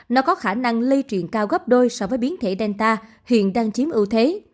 nó có khả năng lây truyện cao gấp đôi so với biến thể delta hiện đang chiếm ưu thế